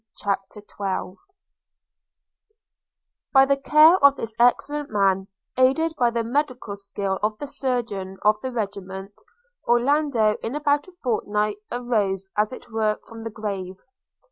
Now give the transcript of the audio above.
CHAPTER XII BY the care of this excellent man, aided by the medical skill of the surgeon of the regiment, Orlando in about a fortnight arose as it were from the grave.